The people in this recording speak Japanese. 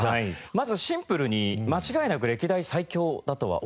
まずシンプルに間違いなく歴代最強だとは思います。